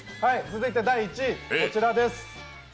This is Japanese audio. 続いて第１位、こちらです。